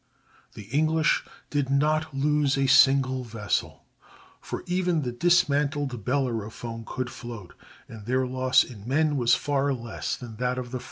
The English did not lose a single vessel, for even the dismantled Bellerophon could float, and their loss in men was far less than that of the French.